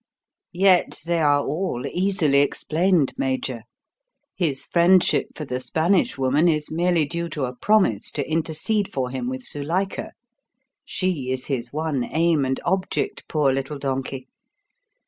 "Yet they are all easily explained, Major. His friendship for the Spanish woman is merely due to a promise to intercede for him with Zuilika. She is his one aim and object, poor little donkey!